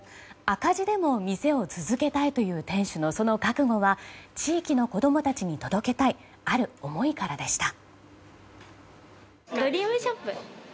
赤字でも店を続けたいという店主のその覚悟は地域の子供たちに届けたいある思いからでした。